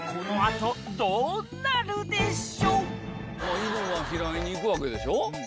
犬が拾いに行くわけでしょ？